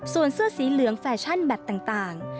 ส่วนเสื้อสีเหลืองแฟชั่นแบตต่าง